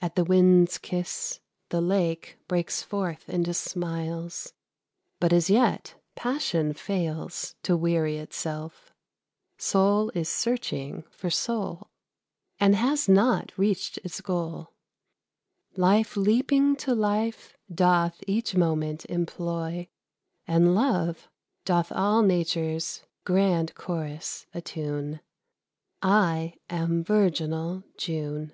At the wind's kiss, the lake Breaks forth into smiles; but as yet passion fails To weary itself. Soul is searching for soul, And has not reached its goal. Life leaping to life doth each moment employ, And love doth all Nature's grand chorus attune. I am virginal June.